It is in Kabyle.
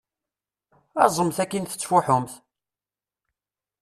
Aẓemt akin tettfuḥumt!